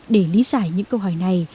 để lý giải những câu hỏi này